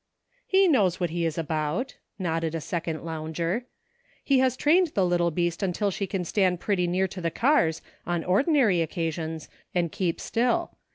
" He knows what he is about," nodded a second lounger. " He has trained the little beast until she will stand pretty near to the cars, on ordinary occasions, and keep still.